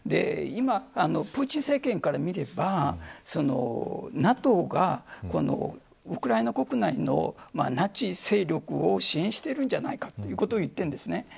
今、プーチン政権から見ればＮＡＴＯがウクライナ国内のナチ勢力を支援しているんじゃないかということを言っているんです。